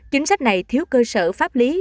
chính sách này thiếu cơ sở pháp lý và hợp lý